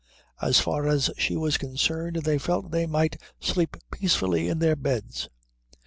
As far as she was concerned they felt they might sleep peacefully in their beds.